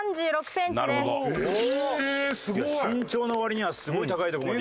身長の割にはすごい高いとこまでいきましたよね。